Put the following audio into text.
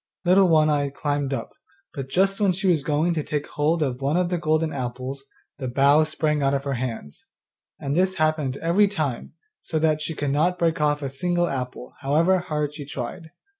Little One eye climbed up, but just when she was going to take hold of one of the golden apples the bough sprang out of her hands; and this happened every time, so that she could not break off a single apple, however hard she tried.